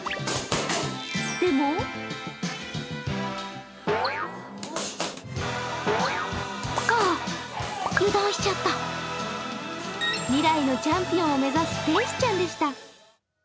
でも未来のチャンピオンを目指す天使ちゃんでした。